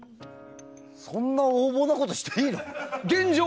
そんな横暴なことしていいの？